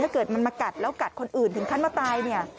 เกิดมันมากัดแล้วกัดคนอื่นถึงขั้นมาตายเนี่ย